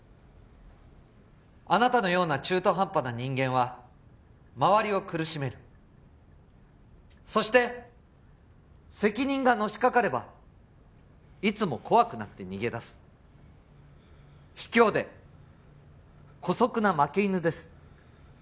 あなたのような中途半端な人間は周りを苦しめるそして責任がのしかかればいつも怖くなって逃げだす卑怯で姑息な負け犬です